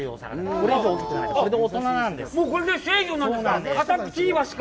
これで成魚なんですか。